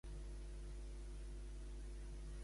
De quina manera es descriuen les Keres?